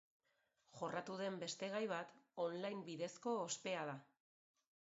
Jorratu den beste gai bat on-line bidezko ospea da.